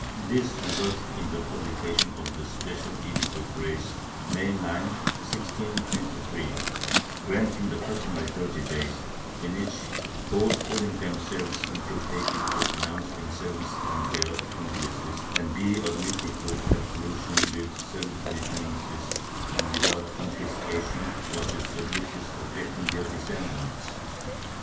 This resulted in the publi cation of a special Edict of Grace, May 9, 1523, granting the cus tomary thirty days in which those feeling themselves inculpated could denounce themselves and their accomplices and be admitted to absolution with salutary penance and without confiscation or disabilities affecting their descendants.